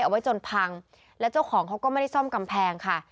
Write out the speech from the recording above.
เอาไว้จนพังแล้วเจ้าของเขาก็ไม่ได้ซ่อมกำแพงค่ะ